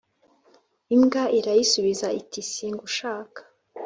imbwa irayisubiza iti singushaka